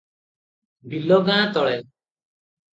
ବିଲ ଗାଁ ତଳେ ।